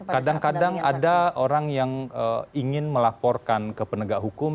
kadang kadang ada orang yang ingin melaporkan ke penegak hukum